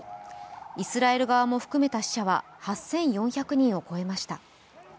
イスラエル側も含めた死者は８４００人を超えました。